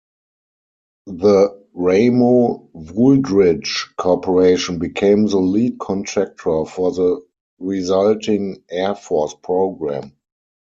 The Ramo-Wooldridge Corporation became the lead contractor for the resulting Air Force program.